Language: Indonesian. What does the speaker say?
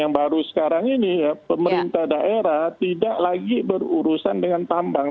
yang baru sekarang ini ya pemerintah daerah tidak lagi berurusan dengan tambang